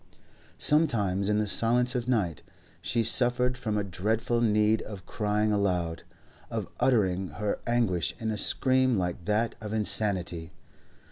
Sometimes in the silence of night she suffered from a dreadful need of crying aloud, of uttering her anguish in a scream like that of insanity.